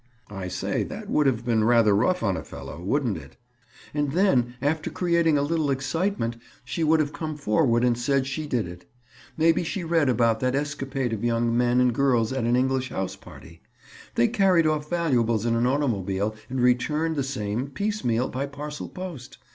"I say, that would have been rather rough on a fellow, wouldn't it?" "And then, after creating a little excitement, she would have come forward and said she did it. Maybe she read about that escapade of young men and girls at an English house party. They carried off valuables in an automobile, and returned the same, piece meal, by parcel post.